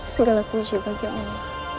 segala puji bagi allah